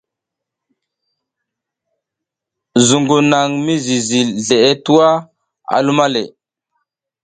Zuƞgu naƞ mi zizi zleʼe tuwa, a luma le.